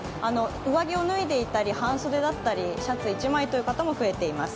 上着を脱いでいたり半袖だったりシャツ１枚という方も増えています。